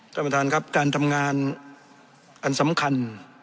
ท่านประธานครับการทำงานอันสำคัญ